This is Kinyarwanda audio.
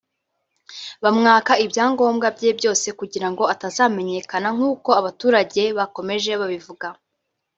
bamwaka ibyangombwa bye byose bagira ngo atazamenyekana nk’uko abaturage bakomeje babivuga